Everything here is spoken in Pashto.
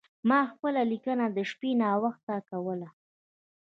ما خپله لیکنه د شپې ناوخته کوله.